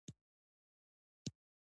ځمکه د افغانستان د صادراتو برخه ده.